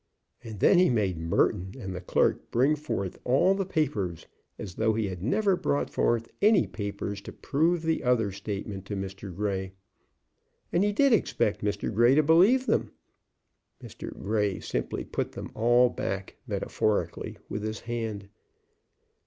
And then he made Merton and the clerk bring forth all the papers, as though he had never brought forth any papers to prove the other statement to Mr. Grey. And he did expect Mr. Grey to believe them. Mr. Grey simply put them all back, metaphorically, with his hand.